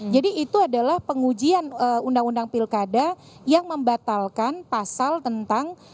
jadi itu adalah pengujian undang undang pilkada yang membatalkan pasal tentang